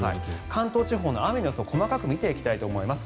関東地方の雨の予想を細かく見ていきたいと思います。